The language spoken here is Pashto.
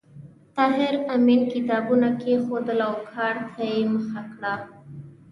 طاهر آمین کتابونه کېښودل او کار ته یې مخه کړه